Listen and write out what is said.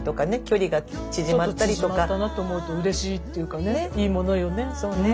ちょっと縮まったなと思うとうれしいっていうかねいいものよね。